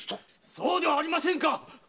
そうではありませんか！